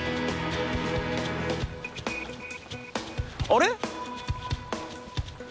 あれ？